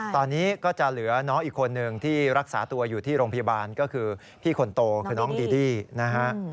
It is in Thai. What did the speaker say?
ตอนนี้ก็จะเหลือน้องอีกคนนึงที่รักษาตัวอยู่ที่โรงพยาบาลก็คือพี่คนโตคือน้องดีดี้นะฮะ